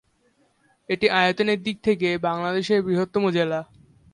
এটি আয়তনের দিক থেকে বাংলাদেশের বৃহত্তম জেলা।